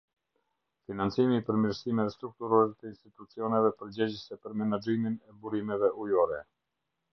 Financimi i përmirësimeve strukturore të institucioneve përgjegjëse për menaxhimin e burimeve ujore.